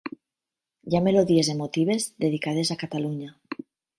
Hi ha melodies emotives dedicades a Catalunya.